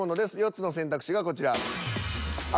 ４つの選択肢がこちら。